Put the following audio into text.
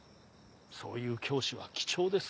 そういう教師は貴重です。